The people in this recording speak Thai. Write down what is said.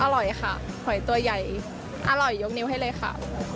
อร่อยค่ะหอยตัวใหญ่อร่อยยกนิ้วให้เลยค่ะ